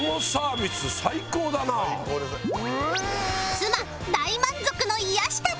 妻大満足の癒やし旅